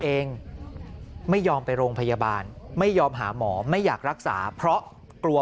เองไม่ยอมไปโรงพยาบาลไม่ยอมหาหมอไม่อยากรักษาเพราะกลัว